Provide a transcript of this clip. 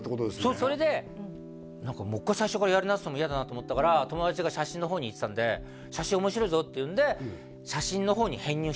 そうそれでもう一回最初からやり直すのも嫌だなと思ったから友達が写真の方に行ってたんで写真面白いぞって言うんで何で？